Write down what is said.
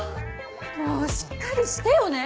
もうしっかりしてよね。